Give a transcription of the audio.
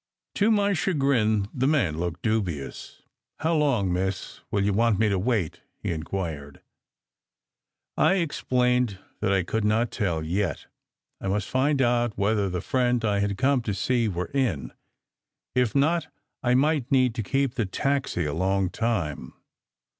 To my chagrin, the man looked dubious. "How long, Miss, will you want me to wait? " he inquired. I explained that I could not tell yet. I must find out whether the friend I had come to see were in. If not I might need to keep the taxi a long time.